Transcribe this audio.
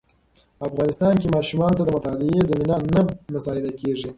په افغانستان کې ماشومانو ته د مطالعې زمینه نه مساعده کېږي.